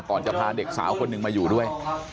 ก่อนจะพาเด็กสาวคนหนึ่งมาอยู่ด้วย